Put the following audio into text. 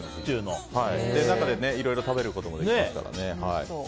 中で、いろいろ食べることもできますから。